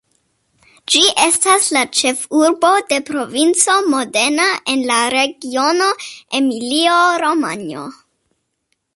Ĝi estas la ĉefurbo de Provinco Modena en la regiono Emilio-Romanjo.